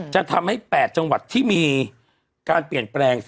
จะทำให้๘จังหวัดที่มีการเปลี่ยนแปลง